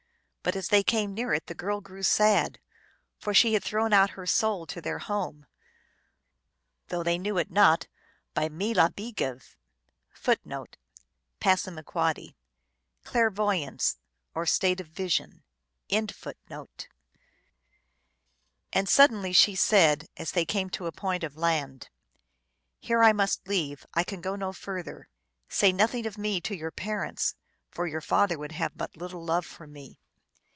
But as they came near it the girl grew sad, for she had thrown out her soul to their home, though they knew it not, by meel alibi give. 1 And suddenly she said, as they came to a point of land, " Here I must leave. I can go no further. Say nothing of me to your parents, for your father would have but little love for me."